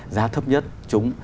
giá thấp nhất trúng